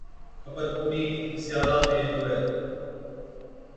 خبر ڪونهِي تہ ڪِسي حالا ۾ هُوَي؟